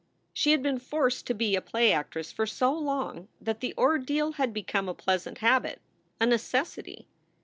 She had been forced to be a play actress for so long that the ordeal had become a pleasant habit, a necessity.